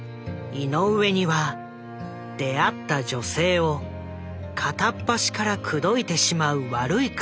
井上には出会った女性を片っ端から口説いてしまう悪い癖があった。